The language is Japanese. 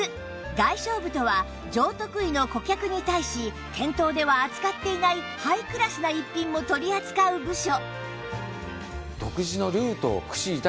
外商部とは上得意の顧客に対し店頭では扱っていないハイクラスな逸品も取り扱う部署